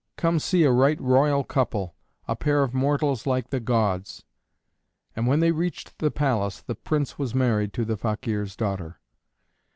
Come see a right royal couple, a pair of mortals like the gods!" And when they reached the palace the prince was married to the Fakeer's daughter.